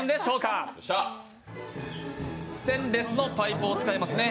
ステンレスのパイプを使いますね。